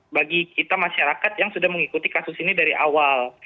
bagi kita masyarakat yang sudah mengikuti kasus ini dari awal